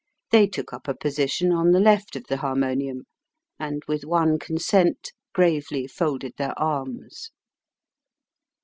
They took up a position on the left of the harmonium, and, with one consent, gravely folded their arms.